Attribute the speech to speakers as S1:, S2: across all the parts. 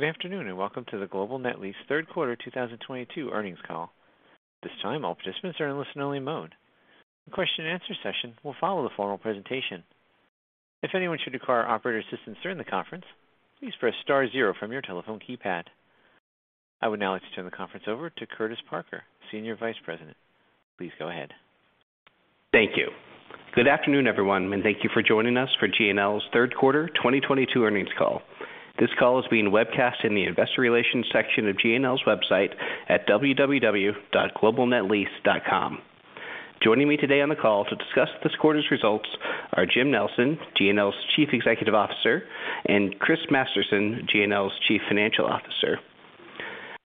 S1: Good afternoon, and welcome to the Global Net Lease third quarter 2022 earnings call. This time, all participants are in listen only mode. The question and answer session will follow the formal presentation. If anyone should require operator assistance during the conference, please press star zero from your telephone keypad. I would now like to turn the conference over to Curtis Parker, Senior Vice President. Please go ahead.
S2: Thank you. Good afternoon, everyone, and thank you for joining us for GNL's third quarter 2022 earnings call. This call is being webcast in the investor relations section of GNL's website at www.globalnetlease.com. Joining me today on the call to discuss this quarter's results are Jim Nelson, GNL's Chief Executive Officer, and Chris Masterson, GNL's Chief Financial Officer.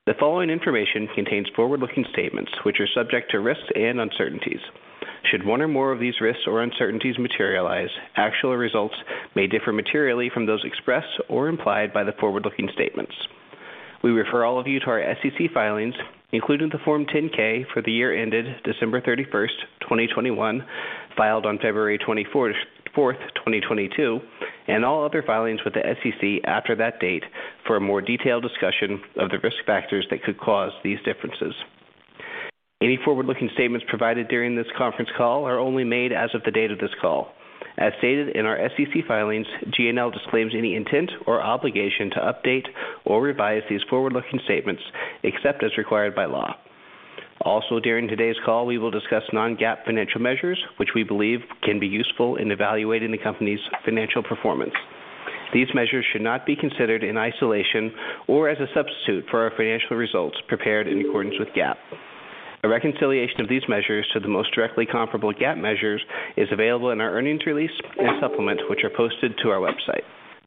S2: The following information contains forward-looking statements which are subject to risks and uncertainties. Should one or more of these risks or uncertainties materialize, actual results may differ materially from those expressed or implied by the forward-looking statements. We refer all of you to our SEC filings, including the Form 10-K for the year ended December 31, 2021, filed on February 24, 2022, and all other filings with the SEC after that date for a more detailed discussion of the risk factors that could cause these differences. Any forward-looking statements provided during this conference call are only made as of the date of this call. As stated in our SEC filings, GNL disclaims any intent or obligation to update or revise these forward-looking statements except as required by law. Also, during today's call, we will discuss non-GAAP financial measures, which we believe can be useful in evaluating the company's financial performance. These measures should not be considered in isolation or as a substitute for our financial results prepared in accordance with GAAP. A reconciliation of these measures to the most directly comparable GAAP measures is available in our earnings release and supplement, which are posted to our website.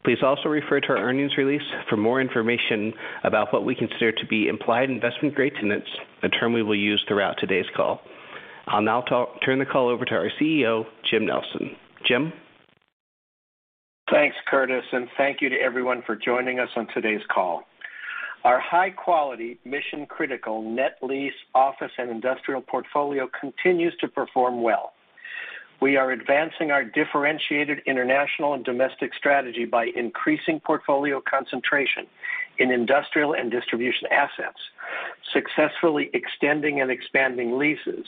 S2: Please also refer to our earnings release for more information about what we consider to be implied investment grade tenants, a term we will use throughout today's call. I'll now turn the call over to our CEO, Jim Nelson. Jim.
S3: Thanks, Curtis, and thank you to everyone for joining us on today's call. Our high quality mission critical net lease office and industrial portfolio continues to perform well. We are advancing our differentiated international and domestic strategy by increasing portfolio concentration in industrial and distribution assets, successfully extending and expanding leases,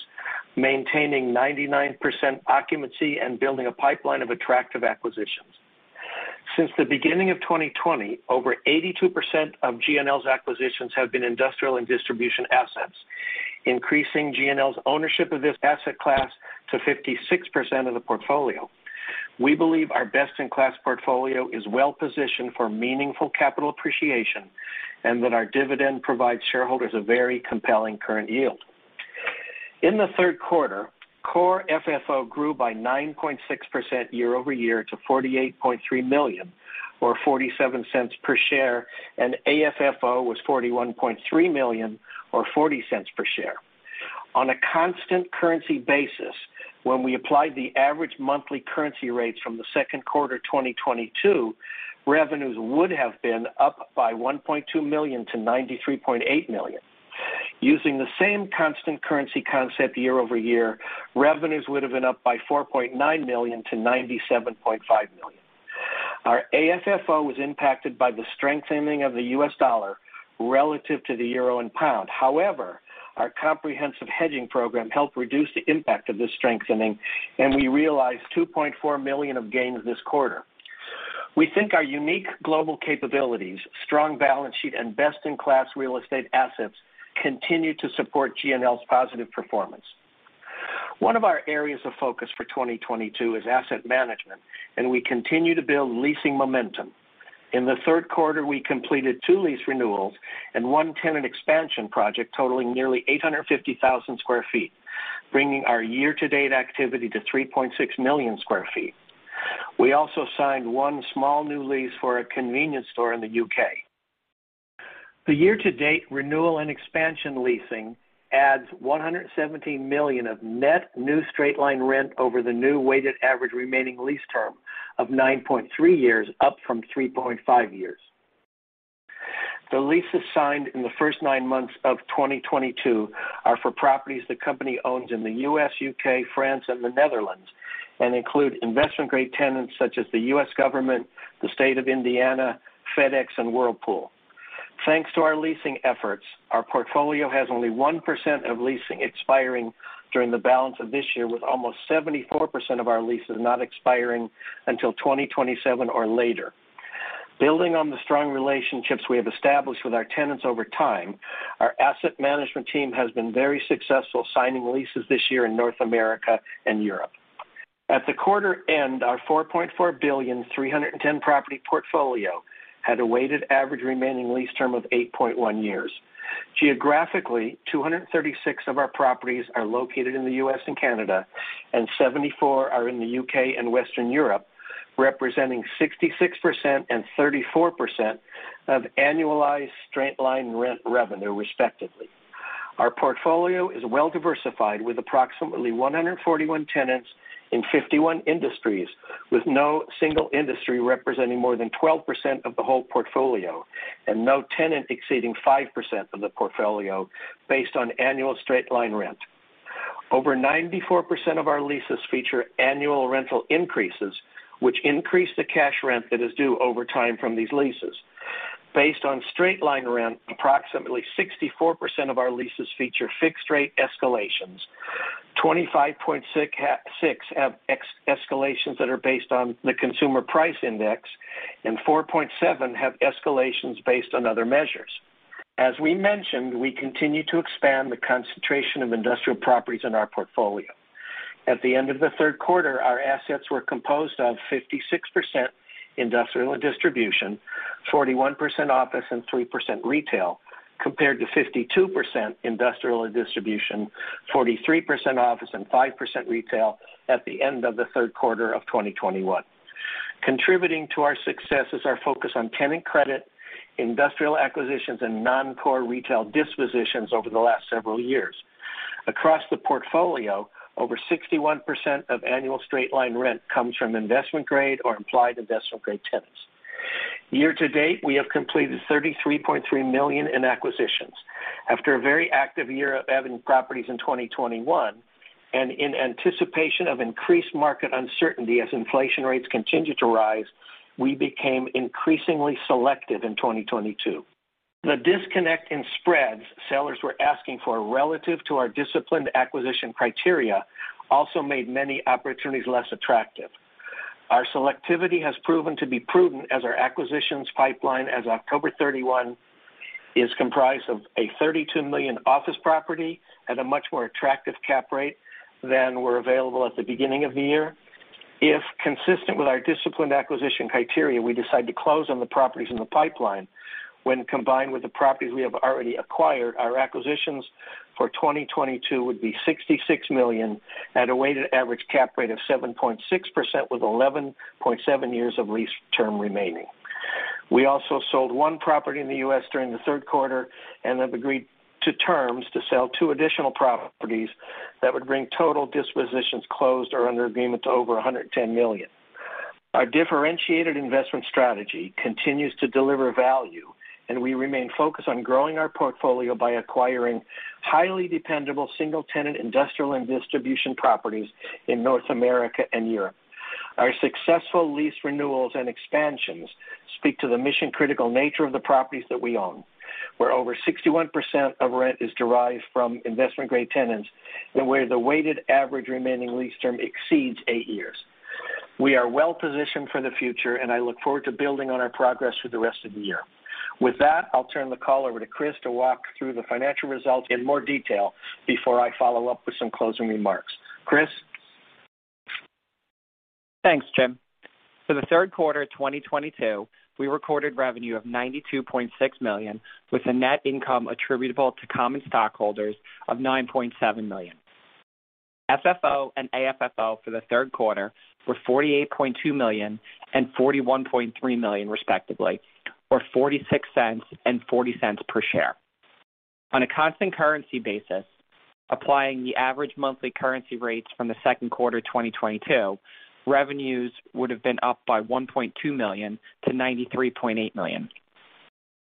S3: maintaining 99% occupancy and building a pipeline of attractive acquisitions. Since the beginning of 2020, over 82% of GNL's acquisitions have been industrial and distribution assets, increasing GNL's ownership of this asset class to 56% of the portfolio. We believe our best in class portfolio is well positioned for meaningful capital appreciation, and that our dividend provides shareholders a very compelling current yield. In the third quarter, Core FFO grew by 9.6% year-over-year to $48.3 million, or $0.47 per share, and AFFO was $41.3 million or $0.40 per share. On a constant currency basis, when we applied the average monthly currency rates from the second quarter 2022, revenues would have been up by $1.2 million to $93.8 million. Using the same constant currency concept year-over-year, revenues would have been up by $4.9 million to $97.5 million. Our AFFO was impacted by the strengthening of the U.S. dollar relative to the euro and pound. However, our comprehensive hedging program helped reduce the impact of this strengthening, and we realized $2.4 million of gains this quarter. We think our unique global capabilities, strong balance sheet, and best-in-class real estate assets continue to support GNL's positive performance. One of our areas of focus for 2022 is asset management, and we continue to build leasing momentum. In the third quarter, we completed two lease renewals and one tenant expansion project totaling nearly 850,000 sq ft, bringing our year-to-date activity to 3.6 million sq ft. We also signed one small new lease for a convenience store in the U.K. The year-to-date renewal and expansion leasing adds $117 million of net new straight-line rent over the new weighted average remaining lease term of nine point three years, up from three point five years. The leases signed in the first nine months of 2022 are for properties the company owns in the U.S., U.K., France and the Netherlands, and include investment grade tenants such as the U.S. government, the state of Indiana, FedEx and Whirlpool. Thanks to our leasing efforts, our portfolio has only 1% of leasing expiring during the balance of this year, with almost 74% of our leases not expiring until 2027 or later. Building on the strong relationships we have established with our tenants over time, our asset management team has been very successful signing leases this year in North America and Europe. At the quarter end, our $4.4 billion 310-property portfolio had a weighted average remaining lease term of eight point one years. Geographically, 236 of our properties are located in the U.S. and Canada, and 74 are in the U.K. and Western Europe, representing 66% and 34% of annualized straight line revenue, respectively. Our portfolio is well diversified with approximately 141 tenants in 51 industries, with no single industry representing more than 12% of the whole portfolio and no tenant exceeding 5% of the portfolio based on annual straight line rent. Over 94% of our leases feature annual rental increases, which increase the cash rent that is due over time from these leases. Based on straight line rent, approximately 64% of our leases feature fixed rate escalations. 25.6 have escalations that are based on the Consumer Price Index, and four point seven have escalations based on other measures. As we mentioned, we continue to expand the concentration of industrial properties in our portfolio. At the end of the third quarter, our assets were composed of 56% industrial and distribution, 41% office, and 3% retail, compared to 52% industrial and distribution, 43% office and 5% retail at the end of the third quarter of 2021. Contributing to our success is our focus on tenant credit, industrial acquisitions, and non-core retail dispositions over the last several years. Across the portfolio, over 61% of annual straight-line rent comes from investment grade or implied investment grade tenants. Year to date, we have completed $33.3 million in acquisitions. After a very active year of adding properties in 2021, and in anticipation of increased market uncertainty as inflation rates continue to rise, we became increasingly selective in 2022. The disconnect in spreads sellers were asking for relative to our disciplined acquisition criteria also made many opportunities less attractive. Our selectivity has proven to be prudent as our acquisitions pipeline as of October 31 is comprised of a $32 million office property at a much more attractive cap rate than were available at the beginning of the year. If consistent with our disciplined acquisition criteria, we decide to close on the properties in the pipeline when combined with the properties we have already acquired, our acquisitions for 2022 would be $66 million at a weighted average cap rate of 7.6% with 11.7 years of lease term remaining. We also sold one property in the U.S. during the third quarter and have agreed to terms to sell two additional properties that would bring total dispositions closed or under agreement to over $110 million. Our differentiated investment strategy continues to deliver value, and we remain focused on growing our portfolio by acquiring highly dependable single tenant industrial and distribution properties in North America and Europe. Our successful lease renewals and expansions speak to the mission-critical nature of the properties that we own, where over 61% of rent is derived from investment grade tenants and where the weighted average remaining lease term exceeds eight years. We are well positioned for the future, and I look forward to building on our progress for the rest of the year. With that, I'll turn the call over to Chris to walk through the financial results in more detail before I follow up with some closing remarks. Chris?
S4: Thanks, Jim. For the third quarter of 2022, we recorded revenue of $92.6 million, with a net income attributable to common stockholders of $9.7 million. FFO and AFFO for the third quarter were $48.2 million and $41.3 million, respectively, or $0.46 and $0.40 per share. On a constant currency basis, applying the average monthly currency rates from the second quarter of 2022, revenues would have been up by $1.2 million to $93.8 million.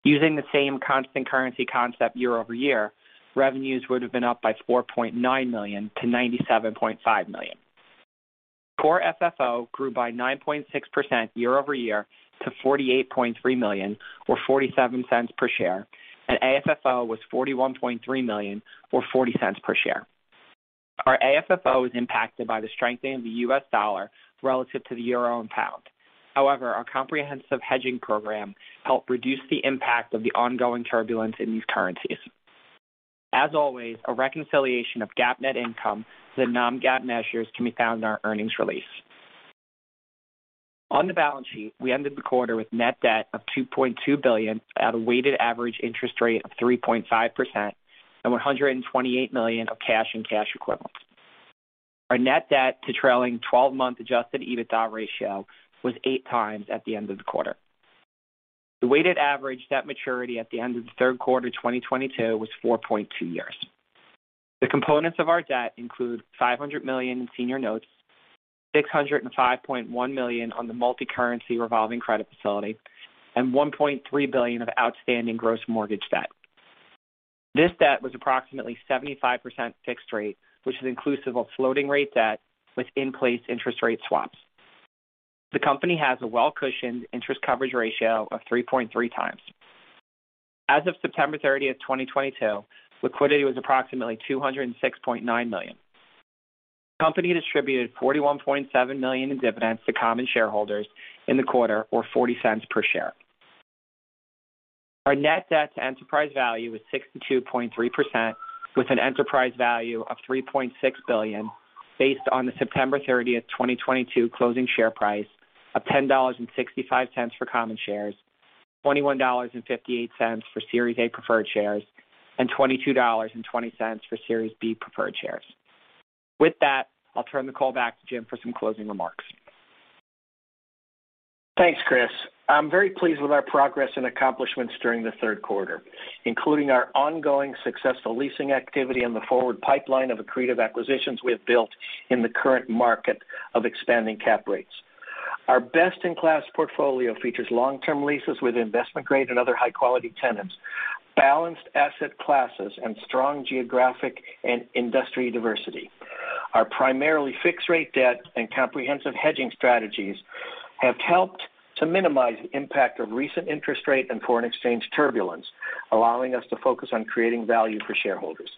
S4: Using the same constant currency concept year-over-year, revenues would have been up by $4.9 million to $97.5 million. Core FFO grew by 9.6% year-over-year to $48.3 million or $0.47 per share, and AFFO was $41.3 million or $0.40 per share. Our AFFO was impacted by the strengthening of the U.S. dollar relative to the euro and pound. However, our comprehensive hedging program helped reduce the impact of the ongoing turbulence in these currencies. As always, a reconciliation of GAAP net income to the non-GAAP measures can be found in our earnings release. On the balance sheet, we ended the quarter with net debt of $2.2 billion at a weighted average interest rate of 3.5% and $128 million of cash and cash equivalents. Our net debt to trailing twelve-month adjusted EBITDA ratio was 8x at the end of the quarter. The weighted average debt maturity at the end of the third quarter of 2022 was four point two years. The components of our debt include $500 million in senior notes, $605.1 million on the multicurrency revolving credit facility, and $1.3 billion of outstanding gross mortgage debt. This debt was approximately 75% fixed rate, which is inclusive of floating rate debt with in-place interest rate swaps. The company has a well-cushioned interest coverage ratio of 3.3x. As of September 30, 2022, liquidity was approximately $206.9 million. The company distributed $41.7 million in dividends to common shareholders in the quarter, or 40 cents per share. Our net debt to enterprise value was 62.3% with an enterprise value of $3.6 billion based on the September 30, 2022 closing share price of $10.65 for common shares, $21.58 for Series A preferred shares, and $22.20 for Series B preferred shares. With that, I'll turn the call back to Jim for some closing remarks.
S3: Thanks, Chris. I'm very pleased with our progress and accomplishments during the third quarter, including our ongoing successful leasing activity and the forward pipeline of accretive acquisitions we have built in the current market of expanding cap rates. Our best-in-class portfolio features long-term leases with investment grade and other high-quality tenants, balanced asset classes, and strong geographic and industry diversity. Our primarily fixed rate debt and comprehensive hedging strategies have helped to minimize the impact of recent interest rate and foreign exchange turbulence, allowing us to focus on creating value for shareholders.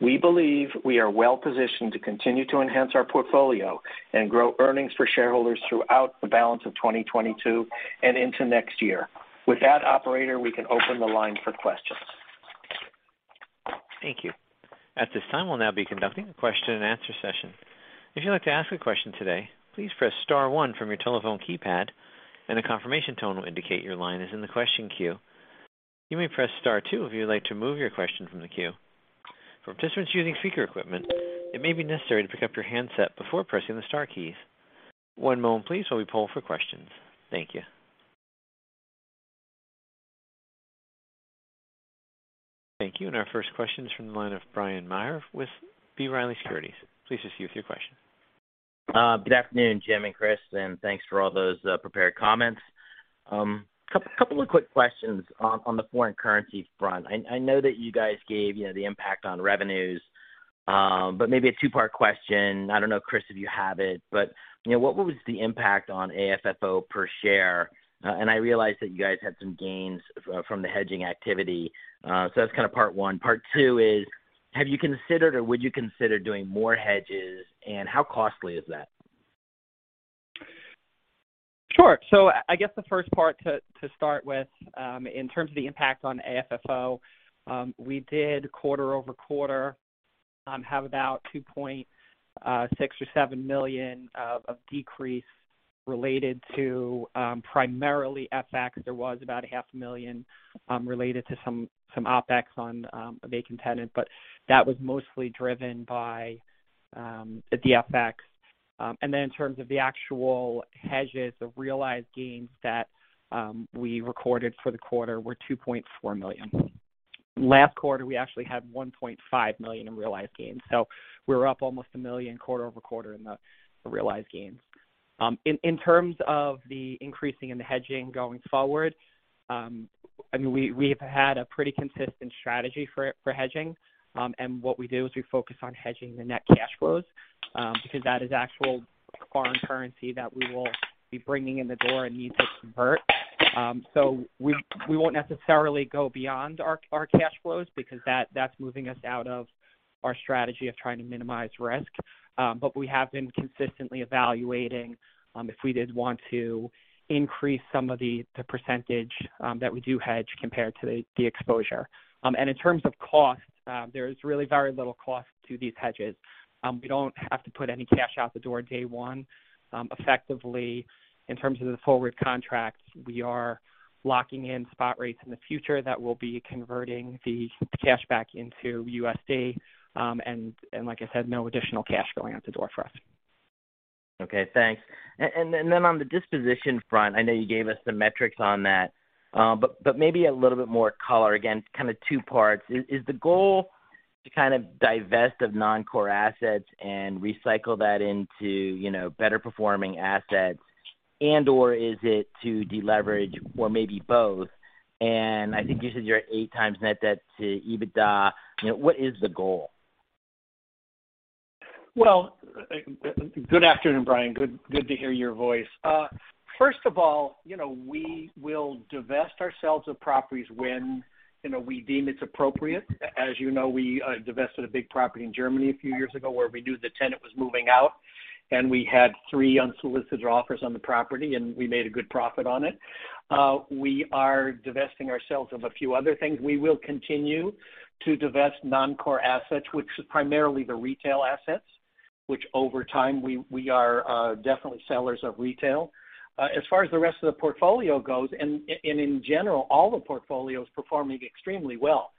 S3: We believe we are well positioned to continue to enhance our portfolio and grow earnings for shareholders throughout the balance of 2022 and into next year. With that, operator, we can open the line for questions.
S1: Thank you. At this time, we'll now be conducting a question and answer session. If you'd like to ask a question today, please press star one from your telephone keypad and a confirmation tone will indicate your line is in the question queue. You may press star two if you'd like to move your question from the queue. For participants using speaker equipment, it may be necessary to pick up your handset before pressing the star keys. One moment please while we poll for questions. Thank you. Thank you. Our first question is from the line of Bryan Maher with B. Riley Securities. Please proceed with your question.
S5: Good afternoon, Jim and Chris, and thanks for all those prepared comments. Couple of quick questions on the foreign currency front. I know that you guys gave, you know, the impact on revenues, but maybe a two-part question. I don't know, Chris, if you have it, but, you know, what was the impact on AFFO per share? And I realize that you guys had some gains from the hedging activity, so that's kind of part one. Part two is, have you considered or would you consider doing more hedges, and how costly is that?
S4: Sure. I guess the first part to start with, in terms of the impact on AFFO, we did quarter-over-quarter have about $2.6 or 7 million of decrease related to primarily FX. There was about half a million related to some OpEx on a vacant tenant, but that was mostly driven by the FX. In terms of the actual hedges, the realized gains that we recorded for the quarter were $2.4 million. Last quarter, we actually had $1.5 million in realized gains. We're up almost a million quarter-over-quarter in the realized gains. In terms of the increasing in the hedging going forward, I mean, we've had a pretty consistent strategy for hedging. What we do is we focus on hedging the net cash flows, because that is actual foreign currency that we will be bringing in the door and need to convert. We won't necessarily go beyond our cash flows because that's moving us out of our strategy of trying to minimize risk. We have been consistently evaluating if we did want to increase some of the percentage that we do hedge compared to the exposure. In terms of cost, there is really very little cost to these hedges. We don't have to put any cash out the door day one. Effectively, in terms of the forward contracts, we are locking in spot rates in the future that will be converting the cash back into USD. Like I said, no additional cash going out the door for us.
S5: Okay, thanks. Then on the disposition front, I know you gave us some metrics on that, but maybe a little bit more color. Again, kind of two parts. Is the goal to kind of divest of non-core assets and recycle that into, you know, better performing assets and/or is it to deleverage or maybe both? I think you said you're at 8x net debt to EBITDA. You know, what is the goal?
S3: Well, good afternoon, Bryan. Good to hear your voice. First of all, you know, we will divest ourselves of properties when, you know, we deem it's appropriate. As you know, we divested a big property in Germany a few years ago where we knew the tenant was moving out, and we had three unsolicited offers on the property, and we made a good profit on it. We are divesting ourselves of a few other things. We will continue to divest non-core assets, which is primarily the retail assets, which over time, we are definitely sellers of retail. As far as the rest of the portfolio goes, and in general, all the portfolio is performing extremely well.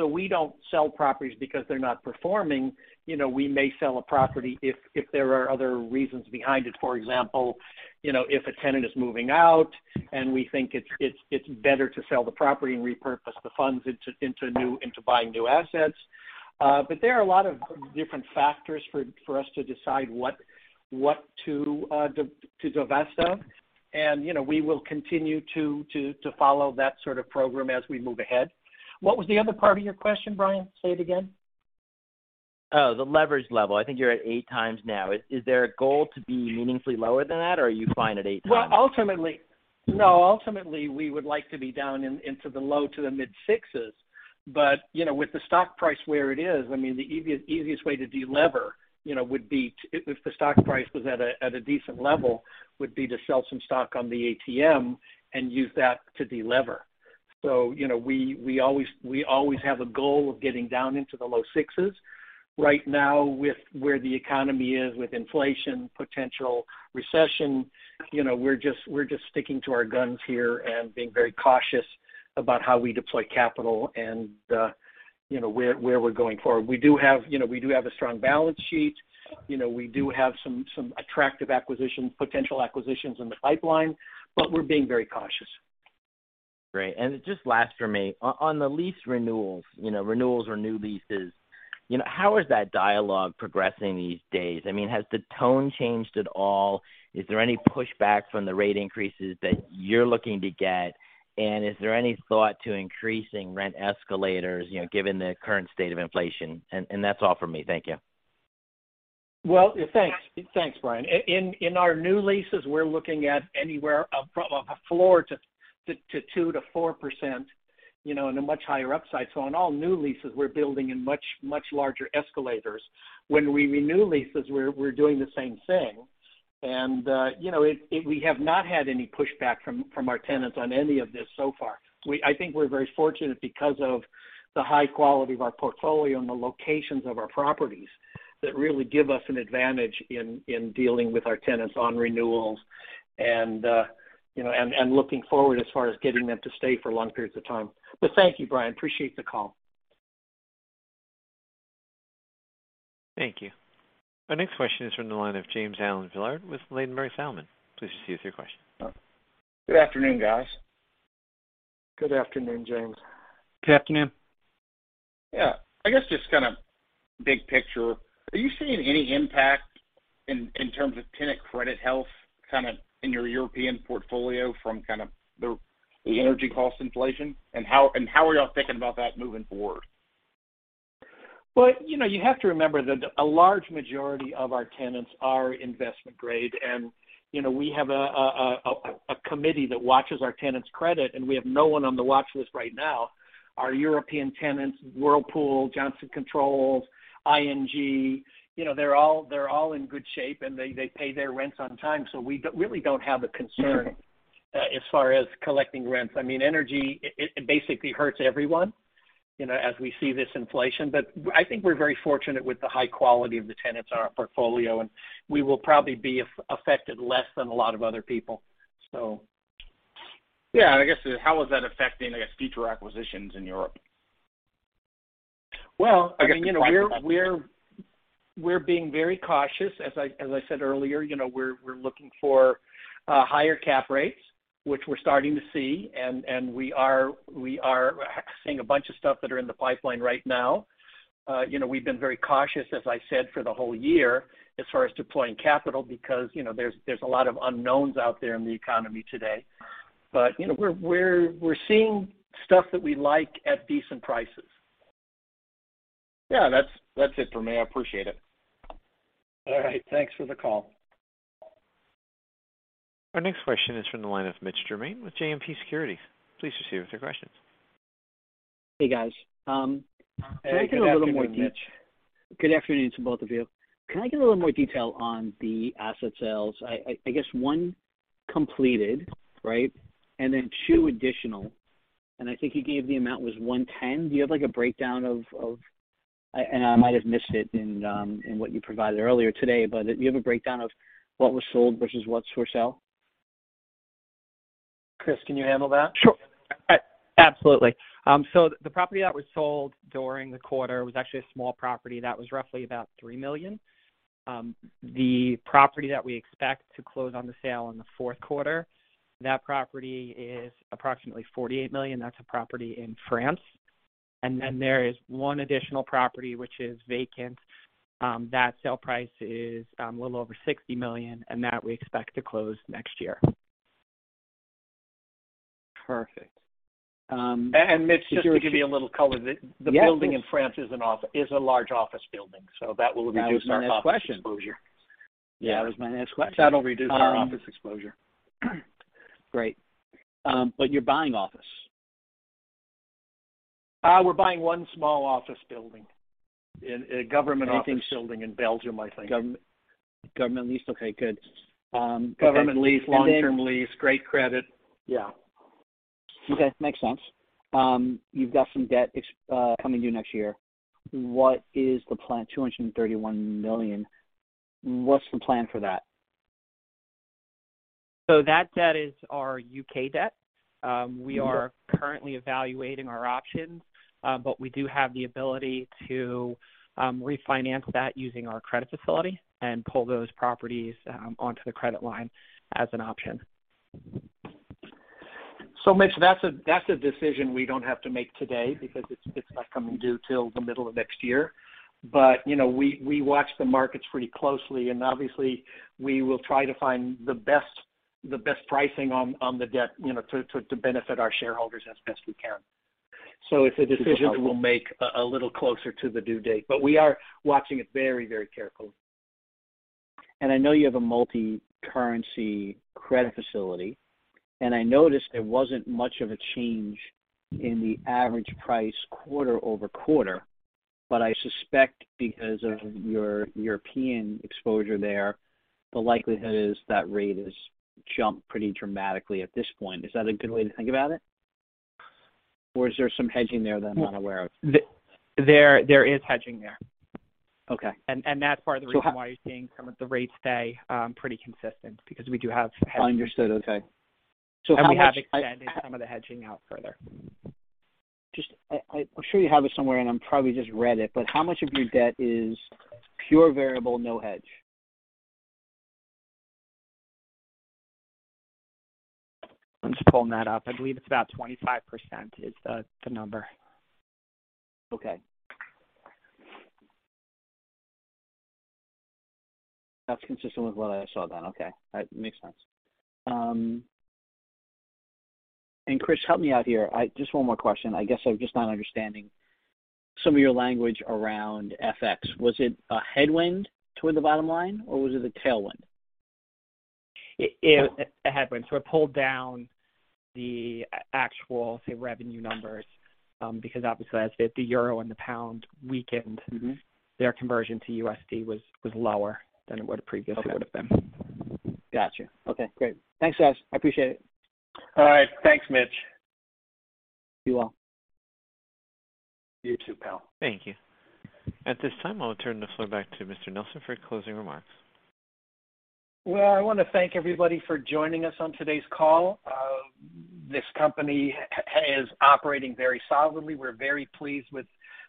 S3: We don't sell properties because they're not performing. You know, we may sell a property if there are other reasons behind it. For example, you know, if a tenant is moving out and we think it's better to sell the property and repurpose the funds into buying new assets. There are a lot of different factors for us to decide what to divest of. You know, we will continue to follow that sort of program as we move ahead. What was the other part of your question, Bryan? Say it again.
S5: Oh, the leverage level. I think you're at 8x now. Is there a goal to be meaningfully lower than that, or are you fine at 8x?
S3: Ultimately, we would like to be down into the low to the mid sixes. You know, with the stock price where it is, I mean, the easiest way to delever, you know, would be if the stock price was at a decent level, would be to sell some stock on the ATM and use that to delever. You know, we always have a goal of getting down into the low sixes. Right now, with where the economy is with inflation, potential recession, you know, we're just sticking to our guns here and being very cautious about how we deploy capital and, you know, where we're going forward. We do have, you know, a strong balance sheet. You know, we do have some attractive acquisitions, potential acquisitions in the pipeline, but we're being very cautious.
S5: Great. Just last for me. On the lease renewals, you know, renewals or new leases, you know, how is that dialogue progressing these days? I mean, has the tone changed at all? Is there any pushback from the rate increases that you're looking to get? And is there any thought to increasing rent escalators, you know, given the current state of inflation? And that's all for me. Thank you.
S3: Well, thanks. Thanks, Bryan. In our new leases, we're looking at anywhere up from a floor to 2%-4%, you know, in a much higher upside. On all new leases we're building in much larger escalators. When we renew leases, we're doing the same thing. We have not had any pushback from our tenants on any of this so far. I think we're very fortunate because of the high quality of our portfolio and the locations of our properties that really give us an advantage in dealing with our tenants on renewals and looking forward as far as getting them to stay for long periods of time. Thank you, Bryan, appreciate the call.
S1: Thank you. Our next question is from the line of James Allen-Villard with Ladenburg Thalmann. Please proceed with your question.
S6: Good afternoon, guys.
S3: Good afternoon, James.
S4: Good afternoon.
S6: Yeah. I guess just kinda big picture, are you seeing any impact in terms of tenant credit health kinda in your European portfolio from the energy cost inflation? How are y'all thinking about that moving forward?
S3: Well, you know, you have to remember that a large majority of our tenants are investment grade. You know, we have a committee that watches our tenants' credit, and we have no one on the watchlist right now. Our European tenants, Whirlpool, Johnson Controls, ING, you know, they're all in good shape, and they pay their rents on time, so we don't really have a concern.
S6: Mm-hmm
S3: As far as collecting rents. I mean, energy, it basically hurts everyone, you know, as we see this inflation. I think we're very fortunate with the high quality of the tenants on our portfolio, and we will probably be affected less than a lot of other people, so.
S6: Yeah. I guess how is that affecting, I guess, future acquisitions in Europe?
S3: I mean, you know, we're being very cautious. As I said earlier, you know, we're looking for higher cap rates, which we're starting to see. We are seeing a bunch of stuff that are in the pipeline right now. You know, we've been very cautious, as I said, for the whole year as far as deploying capital because, you know, there's a lot of unknowns out there in the economy today. You know, we're seeing stuff that we like at decent prices.
S6: Yeah. That's it for me. I appreciate it.
S3: All right. Thanks for the call.
S1: Our next question is from the line of Mitch Germain with JMP Securities. Please proceed with your questions.
S7: Hey, guys.
S3: Hey. Good afternoon, Mitch.
S7: Good afternoon to both of you. Can I get a little more detail on the asset sales? I guess one completed, right? Two additional, and I think you gave the amount was $110. Do you have like a breakdown? I might have missed it in what you provided earlier today, but do you have a breakdown of what was sold versus what's for sale?
S3: Chris, can you handle that?
S4: Sure. Absolutely. The property that was sold during the quarter was actually a small property that was roughly about $3 million. The property that we expect to close on the sale in the fourth quarter, that property is approximately $48 million. That's a property in France. There is one additional property which is vacant, that sale price is a little over $60 million, and that we expect to close next year.
S7: Perfect.
S3: Mitch, just to give you a little color.
S7: Yes, please.
S3: The building in France is a large office building, so that will reduce our office exposure.
S7: That was my next question.
S3: Yeah.
S7: That was my next question.
S3: That'll reduce our office exposure.
S7: Great. You're buying office?
S3: We're buying one small office building, a government office building in Belgium, I think.
S7: Government lease? Okay, good.
S3: Government lease
S7: And then-
S3: Long-term lease, great credit. Yeah.
S7: Okay. Makes sense. You've got some debt coming due next year. What is the plan? $231 million. What's the plan for that?
S4: that debt is our U.K debt. We are currently evaluating our options, but we do have the ability to refinance that using our credit facility and pull those properties onto the credit line as an option.
S3: Mitch, that's a decision we don't have to make today because it's not coming due till the middle of next year. You know, we watch the markets pretty closely, and obviously, we will try to find the best pricing on the debt, you know, to benefit our shareholders as best we can.
S7: Super helpful.
S3: It's a decision we'll make a little closer to the due date. We are watching it very, very carefully.
S7: I know you have a multicurrency credit facility, and I noticed there wasn't much of a change in the average price quarter over quarter. I suspect because of your European exposure there, the likelihood is that rate has jumped pretty dramatically at this point. Is that a good way to think about it? Or is there some hedging there that I'm not aware of?
S4: There is hedging there.
S7: Okay.
S4: That's part of the reason why you're seeing some of the rates stay pretty consistent because we do have hedging.
S7: Understood. Okay. How much-
S4: We have extended some of the hedging out further.
S7: I'm sure you have it somewhere, and I probably just read it, but how much of your debt is pure variable, no hedge?
S4: I'm just pulling that up. I believe it's about 25% is the number.
S7: Okay. That's consistent with what I saw then. Okay. That makes sense. Chris, help me out here. Just one more question. I guess I'm just not understanding some of your language around FX. Was it a headwind toward the bottom line or was it a tailwind?
S4: A headwind. It pulled down the actual, say, revenue numbers, because obviously, as the euro and the pound weakened.
S7: Mm-hmm
S4: Their conversion to USD was lower than it would have previously been.
S7: Okay. Gotcha. Okay, great. Thanks, guys. I appreciate it.
S3: All right. Thanks, Mitch.
S7: You all.
S3: You too, pal.
S1: Thank you. At this time, I'll turn the floor back to James L. Nelson for his closing remarks.
S3: Well, I wanna thank everybody for joining us on today's call. This company has operating very solidly. We're very pleased with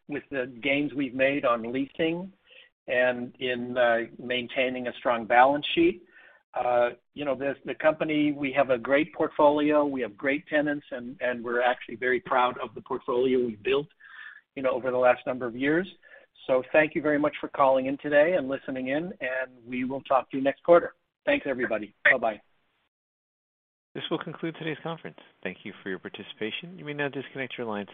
S3: the gains we've made on leasing and in maintaining a strong balance sheet. You know, the company, we have a great portfolio, we have great tenants, and we're actually very proud of the portfolio we've built, you know, over the last number of years. Thank you very much for calling in today and listening in, and we will talk to you next quarter. Thanks, everybody. Bye-bye.
S1: This will conclude today's conference. Thank you for your participation. You may now disconnect your lines.